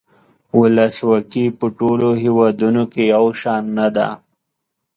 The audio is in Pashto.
ولسواکي په ټولو هیوادونو کې یو شان نده.